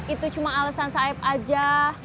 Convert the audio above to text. itu cuma alasan saib aja